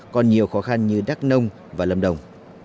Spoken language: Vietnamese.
còn nhiều khó khăn như đắk nông và lâm đồng